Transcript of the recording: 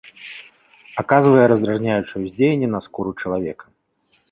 Аказвае раздражняючае ўздзеянне на скуру чалавека.